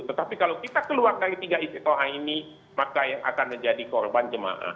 tetapi kalau kita keluar dari tiga istiqlaah ini maka yang akan menjadi korban jemaah